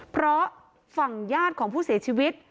เพราะฝั่งญาติของผู้เสียชีวิต